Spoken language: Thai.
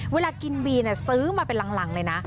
เวลากินบีซื้อมาเป็นหลังเลยนะ